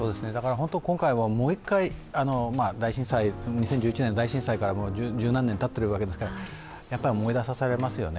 今回はもう一回、２０１１年の大震災から十何年たっているわけですから思い出されますよね。